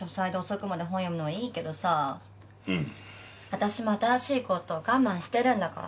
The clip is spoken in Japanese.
私も新しいコート我慢してるんだから。